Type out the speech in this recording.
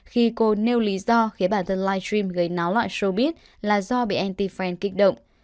khi cô nêu lý do khiến bản thân livestream gây náo loại showbiz là do bị anti fan kích động